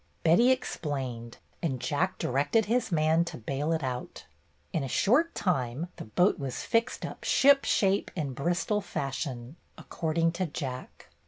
Betty explained, and Jack directed his man to bail it out. In a short time the boat was fixed up "ship shape and Bristol fashion," according to Jack.